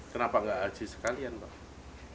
kenapa gak aji sekalian pak